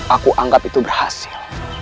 aku anggap itu berhasil